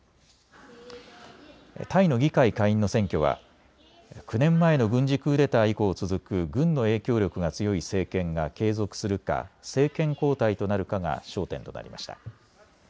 タイの議会下院の選挙は９年前の軍事クーデター以降続く軍の影響力が強い政権が継続するか政権交代となるかが焦点となりました。